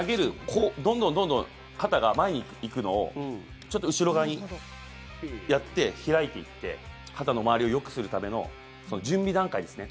こう、どんどんどんどん肩が前に行くのをちょっと後ろ側にやって開いていって肩の回りをよくするための準備段階ですね。